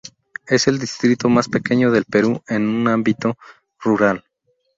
Es el distrito más pequeño del Perú en un ámbito rural.